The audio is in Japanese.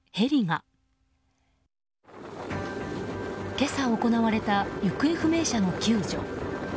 今朝行われた行方不明者の救助。